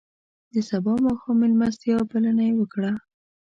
د سبا ماښام میلمستیا بلنه یې وکړه.